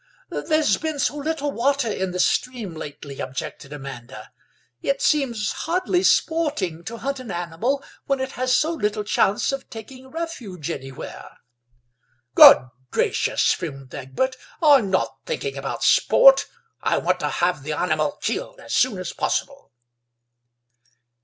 "There's been so little water in the stream lately," objected Amanda; "it seems hardly sporting to hunt an animal when it has so little chance of taking refuge anywhere." "Good gracious!" fumed Egbert, "I'm not thinking about sport. I want to have the animal killed as soon as possible."